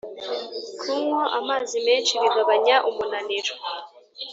Kunywa amazi menshi bigabanya umunaniro